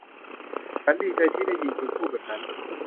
ฉันดีใจที่ได้ยินคุณพูดแบบนั้น